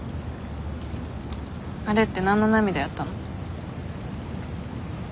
あれって何の涙やったの？